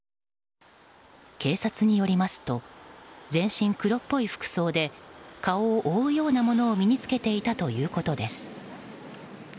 警察によりますと全身黒っぽい服装で顔を覆うようなものを身に着けていたということです。